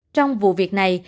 trong vụ việc này